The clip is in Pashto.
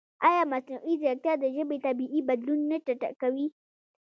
ایا مصنوعي ځیرکتیا د ژبې طبیعي بدلون نه چټکوي؟